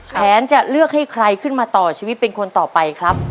แผนจะเลือกให้ใครขึ้นมาต่อชีวิตเป็นคนต่อไปครับ